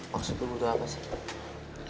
maksud lo butuh apa sih